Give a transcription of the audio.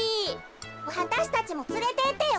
わたしたちもつれてってよ。